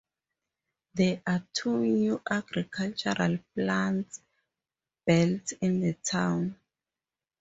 There are two new agricultural plants built in the town.